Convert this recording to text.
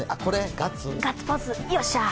ガッツポーズ、よっしゃー！